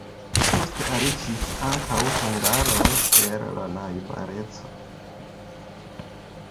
Poste aliĝis ankaŭ hungaroj el la najbareco.